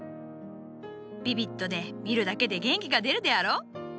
ビビッドで見るだけで元気が出るであろう？